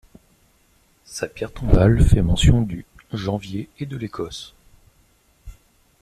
Sa pierre tombale fait mention du janvier et de l’Écosse.